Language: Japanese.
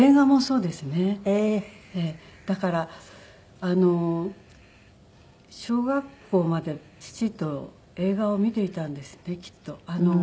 だから小学校まで父と映画を見ていたんですねきっと。